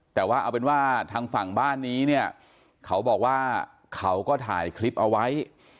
แต่ว่าเอาเป็นว่าทางฝั่งบ้านนี้เนี่ยเขาบอกว่าเขาก็ถ่ายคลิปเอาไว้